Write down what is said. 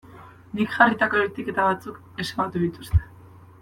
Nik jarritako etiketa batzuk ezabatu dituzte.